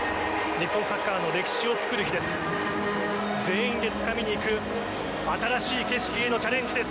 日本サッカーの歴史をつくる日です。